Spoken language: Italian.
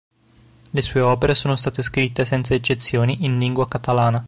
Le sue opere sono state scritte senza eccezioni in lingua catalana.